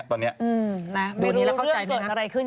ไม่รู้เรื่องเกิดอะไรขึ้น